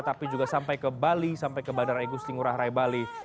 tapi juga sampai ke bali sampai ke bandara igusti ngurah rai bali